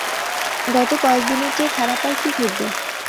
গত কয়েকদিনের চেয়ে খারাপ আর কী ঘটবে?